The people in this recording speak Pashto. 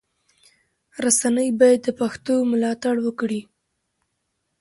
رسنی باید د پښتو ملاتړ وکړي.